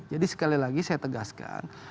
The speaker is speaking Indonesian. jadi sekali lagi saya tegaskan